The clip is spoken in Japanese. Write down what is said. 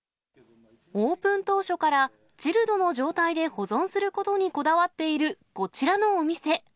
オープン当初から、チルドの状態で保存することにこだわっているこちらのお店。